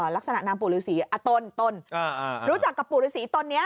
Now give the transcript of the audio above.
ลักษณะนามปู่ฤษีต้นรู้จักกับปู่ฤษีตนนี้